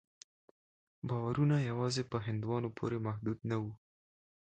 باورونه یوازې په هندوانو پورې محدود نه وو.